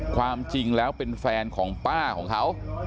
ความจริงแล้วเป็นแฟนของป้าของเขา